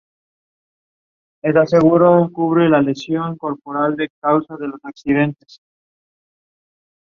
Comilla Victorians were the defending champions.